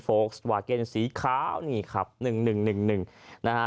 ฟลกสตรว่าเกณฑ์สีขาวนี่ครับหนึ่งหนึ่งหนึ่งหนึ่งนะฮะ